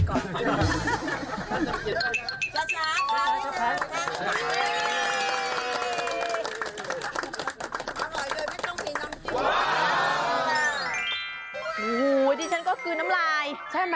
โอ้โหดิฉันก็คือน้ำลายใช่ไหม